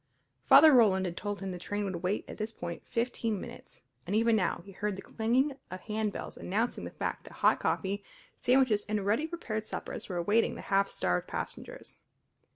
Father Roland had told him the train would wait at this point fifteen minutes, and even now he heard the clanging of handbells announcing the fact that hot coffee, sandwiches, and ready prepared suppers were awaiting the half starved passengers.